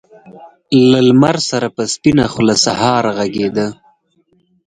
له لمر سره په سپينه خــــوله سهار غــــــــږېده